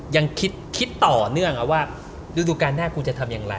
ยังคิดต่อเนื่องว่าฤดูการหน้ากูจะทำอย่างไร